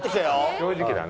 正直だな。